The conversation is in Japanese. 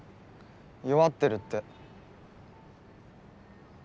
弱ってるって。